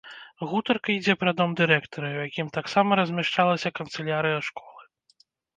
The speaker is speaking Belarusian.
Гутарка ідзе пра дом дырэктара, у якім таксама размяшчалася канцылярыя школы.